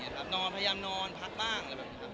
คงพยายามนอนพักบ้าง